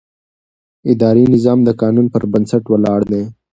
اداري نظام د قانون پر بنسټ ولاړ دی.